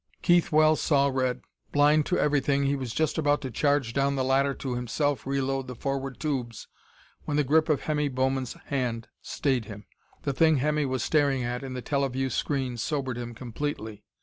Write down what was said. Keith Wells saw red. Blind to everything, he was just about to charge down the ladder to himself re load the forward tubes when the grip of Hemmy Bowman's hand stayed him. The thing Hemmy was staring at in the teleview screen sobered him completely.